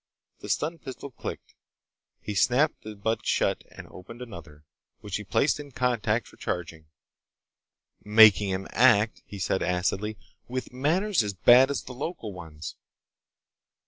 The stun pistol clicked. He snapped the butt shut and opened another, which he placed in contact for charging. "Making him act," he said acidly, "with manners as bad as the local ones.